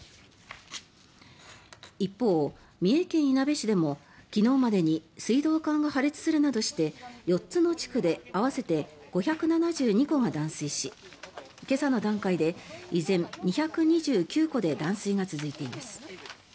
一方、三重県いなべ市でも昨日までに水道管が破裂するなどして４つの地区で合わせて５７２戸が断水し今朝の段階で依然２２９戸で断水が続いています。